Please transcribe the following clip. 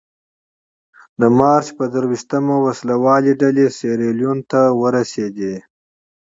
د مارچ په درویشتمه وسله والې ډلې سیریلیون ته ورسېدې.